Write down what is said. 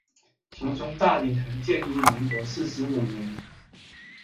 其中大礼堂建于民国四十五年。